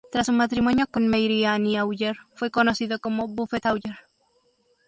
Tras su matrimonio con Marie-Anne Auger fue conocido como Buffet-Auger.